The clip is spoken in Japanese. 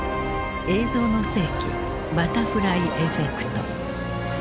「映像の世紀バタフライエフェクト」。